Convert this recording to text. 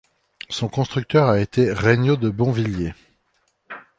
Son constructeur a été Regnault de Bonvilliers.